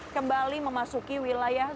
kembali memasuki wilayah